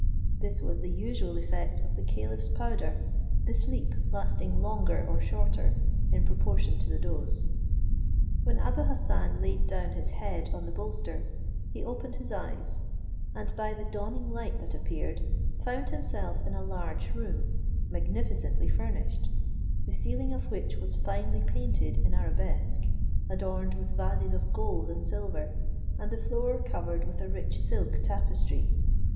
This was the usual effect of the caliph's powder, the sleep lasting longer or shorter, in proportion to the dose. When Abou Hassan laid down his head on the bolster, he opened his eyes; and by the dawning light that appeared, found himself in a large room, magnificently furnished, the ceiling of which was finely painted in Arabesque, adorned with vases of gold and silver, and the floor covered with a rich silk tapestry.